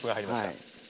はい。